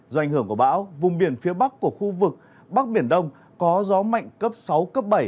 do ảnh hưởng của bão vùng biển phía bắc của khu vực bắc biển đông có gió mạnh cấp sáu cấp bảy